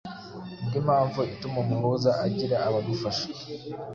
Indi mpamvu ituma umuhuza agira abamufasha,